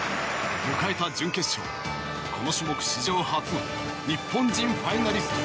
迎えた準決勝、この種目史上初の日本人ファイナリスト。